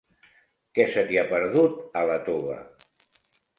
Què se t'hi ha perdut, a Iàtova?